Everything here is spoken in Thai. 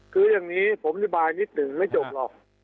คืออย่างนี้ผมอธิบายนิดหนึ่งไม่จบหรอก